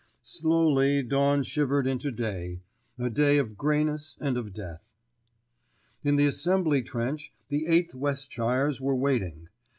Slowly dawn shivered into day—a day of greyness and of death. In the assembly trench the 8th Westshires were waiting.